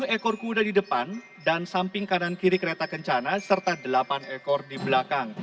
dua puluh ekor kuda di depan dan samping kanan kiri kereta kencana serta delapan ekor di belakang